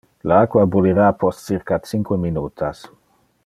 Le aqua bullira post circa cinque minutas.